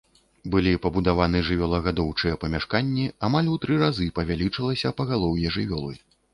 Былі пабудаваны жывёлагадоўчыя памяшканні, амаль у тры разы павялічылася пагалоўе жывёлы.